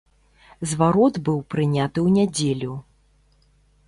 Зварот быў прыняты ў нядзелю.